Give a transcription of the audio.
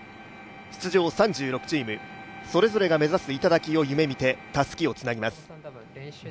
出場３６チーム、それぞれが目指す頂を目指してたすきをつなぎすま。